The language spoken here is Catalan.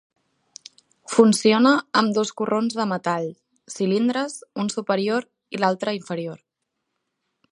Funciona amb dos corrons de metall, cilindres, un superior i l'altre inferior.